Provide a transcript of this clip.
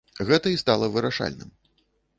Гэта і стала вырашальным.